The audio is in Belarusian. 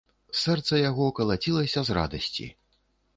Сэрца яго калацілася з радасці.